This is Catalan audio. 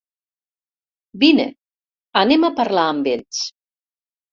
Vine, anem a parlar amb ells.